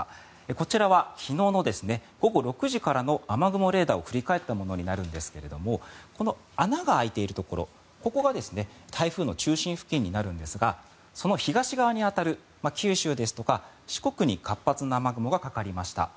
こちらは昨日の午後６時からの雨雲レーダーを振り返ったものになるんですがこの穴が開いているところここが台風の中心付近になるんですがその東側に当たる九州ですとか四国に活発な雨雲がかかりました。